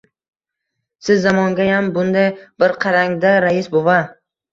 Siz zamongayam... bunday bir qarang-da, rais bova.